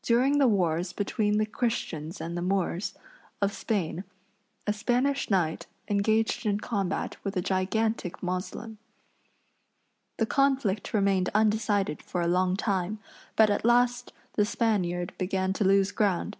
During the wars between the Christians and the Moors, of Spain, a Spanish knight engaged in combat with a gigantic Moslem. The conflict remained undecided for a long time, but at last the Spaniard began to lose ground.